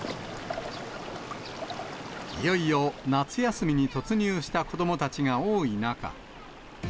いよいよ夏休みに突入した子どもたちが多い中。